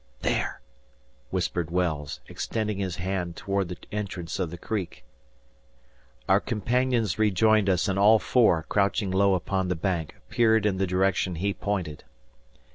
"There!" whispered Wells, extending his hand toward the entrance of the creek. Our companions rejoined us, and all four, crouching low upon the bank, peered in the direction he pointed.